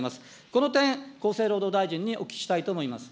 この点、厚生労働大臣にお聞きしたいと思います。